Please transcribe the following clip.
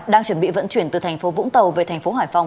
đang chuẩn bị vận chuyển từ thành phố vũng tàu về thành phố hải phòng